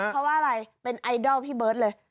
เพราะว่าอะไรเป็นไอดอลพี่เบิร์ตเลย